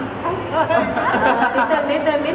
ป๊าป๊าป๊าป๊าป๊าป๊าป๊าป๊า